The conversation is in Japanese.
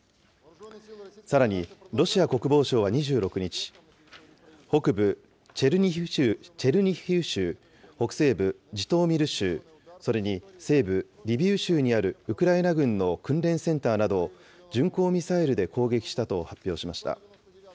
さらに、ロシア国防省は２６日、北部チェルニヒウ州、北西部ジトーミル州、それに西部リビウ州にあるウクライナ軍の訓練センターなどを巡航ミサイルで攻撃したと発表しました。